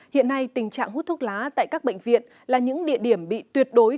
hiện nay tình trạng hút thuốc lá tại các bệnh viện là những địa điểm bị tuyệt đối